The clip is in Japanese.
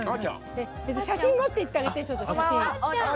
写真を持っていってあげて。